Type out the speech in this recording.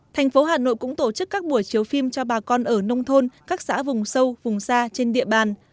thành phố hà nội cũng tổ chức các buổi chiếu phim cho bà con ở nông thôn các xã vùng sâu vùng xa trên địa bàn